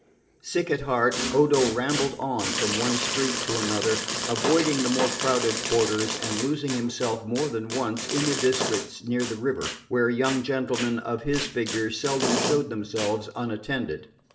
Sick at heart, Odo rambled on from one street to another, avoiding the more crowded quarters, and losing himself more than once in the districts near the river, where young gentlemen of his figure seldom showed themselves unattended.